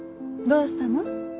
どうしたの？